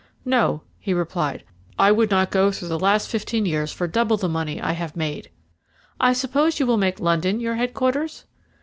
"No," he replied; "I would not go through the last fifteen years for double the money I have made." "I suppose you will make London your headquarters?"